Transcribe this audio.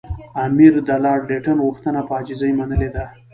امیر د لارډ لیټن غوښتنه په عاجزۍ منلې ده.